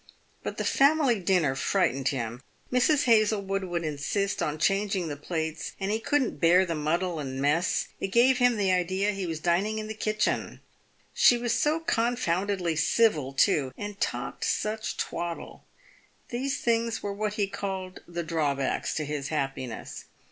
But the family dinner frightened him. Mrs. Hazlewood would insist on changing the plates, and he couldn't bear the muddle and mess ; it gave him the idea he was dining in the kitchen. She was so confoundedly civil, too, and talked such twaddle. These things were what he called the drawbacks to his happiness.